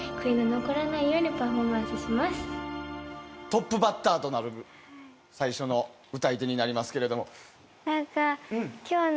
トップバッターとなる最初の歌い手になりますけれども。